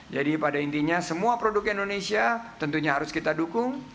jadi pada intinya semua produk indonesia tentunya harus kita dukung